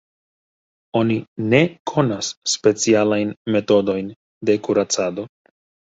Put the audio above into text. Oni ne konas specialajn metodojn de kuracado.